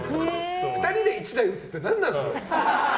２人で１台を打つって何なんですか。